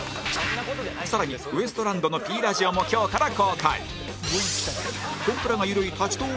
更にウエストランドの Ｐ ラジオも今日から公開